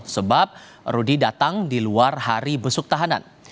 sebab rudy datang di luar hari besuk tahanan